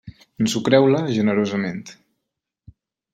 Ensucreu-la generosament.